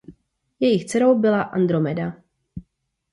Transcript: Jejich dcerou byla Andromeda.